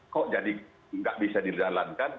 kok jadi tidak bisa dilalankan